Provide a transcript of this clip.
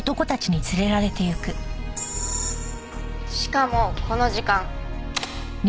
しかもこの時間。